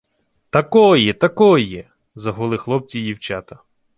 — Такої! Такої! — загули хлопці й дівчата.